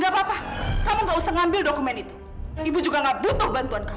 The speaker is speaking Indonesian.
gak apa apa kamu gak usah ngambil dokumen itu ibu juga nggak butuh bantuan kamu